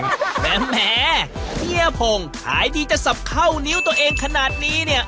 แม้เหี้ยผงหายดีจะสับเข้านิ้วตัวเองขนาดนี้